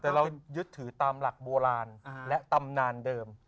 แต่เรายึดถือตามหลักโบราณและตำนานเดิม